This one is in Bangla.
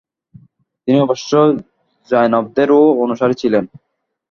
তিনি অবশ্য জায়নবাদেরও অণুসারি ছিলেন।